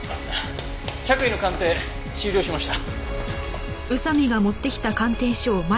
着衣の鑑定終了しました。